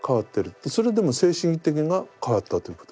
それはでも精神的が変わったということですよ。